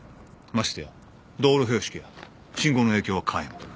ましてや道路標識や信号の影響は皆無。